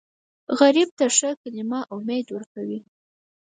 غریب ته ښه کلمه امید ورکوي